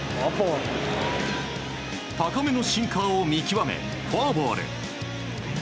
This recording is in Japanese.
高めのシンカーを見極めフォアボール。